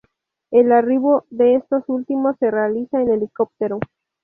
El arribo de estos últimos se realiza en helicóptero.